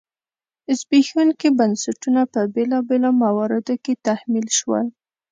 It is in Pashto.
زبېښونکي بنسټونه په بېلابېلو مواردو کې تحمیل شول.